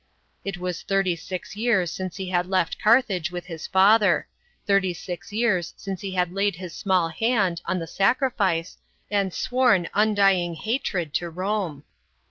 It was thirty six years since he had left Carthage with his father, thirty six years since he had laid his small hand, on the sacrifice, and sworn undying hatred to Rome.